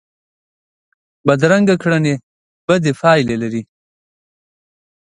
بدرنګه کړنې بدې پایلې لري